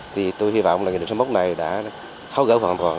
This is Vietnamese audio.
thì tôi hy vọng là nghị định sáu mươi một này đã tháo gỡ hoàn toàn